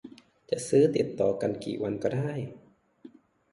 จะซื้อติดต่อกันกี่วันก็ได้